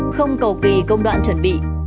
không cầu kỳ công đoạn chuẩn bị